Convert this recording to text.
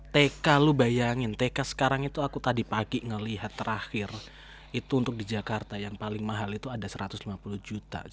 tk lu bayangin tk sekarang itu aku tadi pagi ngelihat terakhir itu untuk di jakarta yang paling mahal itu ada satu ratus lima puluh juta